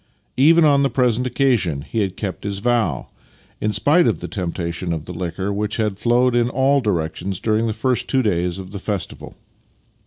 Even on the present occasion he had kept his vow, in spite of the temptation of the liquor which had flowed in all directions during the first two days of the festival.